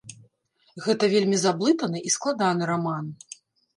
Гэта вельмі заблытаны і складаны раман.